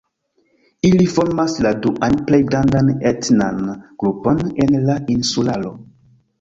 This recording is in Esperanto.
Ili formas la duan plej grandan etnan grupon en la insularo.